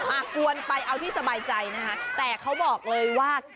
ควรไปเอาที่สบายใจนะคะแต่เขาบอกเลยว่า